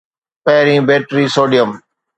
پهرين battery sodium